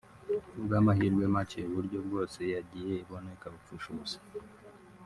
ku bw’amahirwe make uburyo bwose yagiye ibona ikabupfusha ubusa